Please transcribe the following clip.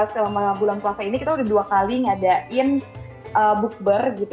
selama bulan puasa ini kita udah dua kali ngadain bookber gitu